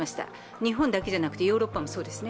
日本だけじゃなくてヨーロッパもそうですね。